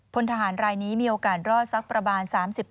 พลทหารรายนี้มีโอกาสรอดสักประมาณ๓๐